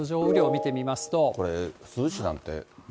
これ、珠洲市なんて。